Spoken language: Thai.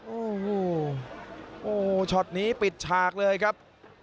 โอ้โหโอ้โหช็อตนี้ปิดฉากเลยครับ